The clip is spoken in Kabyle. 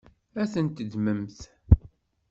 Ad ten-ddment?